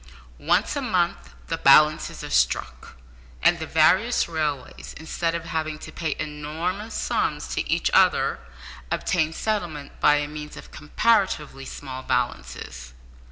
Once a month the balances are struck, and the various railways, instead of having to pay enormous sums to each other, obtain settlement by means of comparatively small balances.